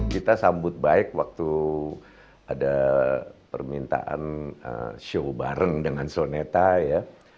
kita sambut baik waktu ada permintaan show bareng dengan soneta ya